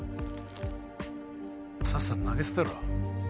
さっさと投げ捨てろ。